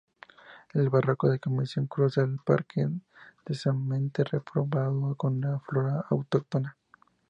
El Barranco del Camisón cruza el parque, densamente repoblado con flora autóctona.